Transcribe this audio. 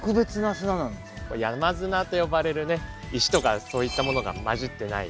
山砂と呼ばれる石とかそういったものが混じってない